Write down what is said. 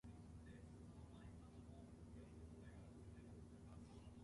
He is the ancestor of one of the most important Chilean colonial families.